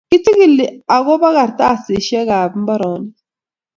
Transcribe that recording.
kichikili ako ba kartasishek ab imbaronik.